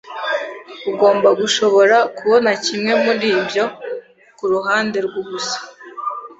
Ugomba gushobora kubona kimwe muri ibyo kuruhande rwubusa.